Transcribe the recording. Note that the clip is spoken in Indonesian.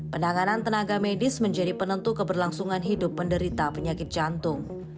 penanganan tenaga medis menjadi penentu keberlangsungan hidup penderita penyakit jantung